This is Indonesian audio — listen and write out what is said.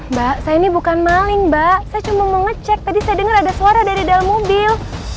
mbak saya ini bukan maling mbak saya cuma mengecek tadi saya dengar ada suara dari dalam mobil